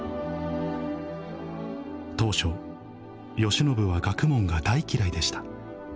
当初慶喜は学問が大嫌いでした